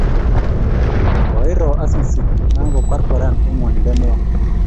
Kiiro Asisi na ko kwarkwaran eng ngwonindo neo